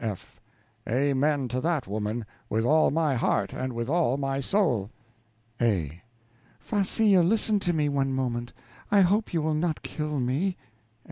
F. Amen to that, madam, with all my heart, and with all my soul. A. Farcillo, listen to me one moment; I hope you will not kill me.